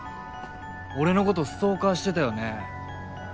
俺のことストーカーしてたよね？